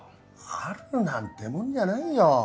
あるなんてもんじゃないよ。